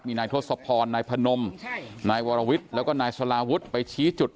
มีนายทศพรนายพนมนายวรวิทย์แล้วก็นายสลาวุฒิไปชี้จุด